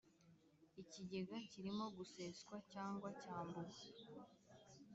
ikigega kirimo guseswa cyangwa cyambuwe